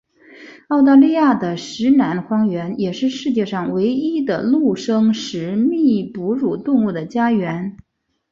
澳大利亚的石楠荒原也是世界上唯一的陆生食蜜哺乳动物的家园。